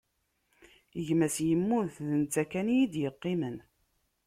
Gma-s immut, d netta kan i yi-d-iqqimen.